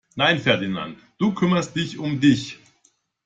Nein Ferdinand, du kümmerst dich um dich!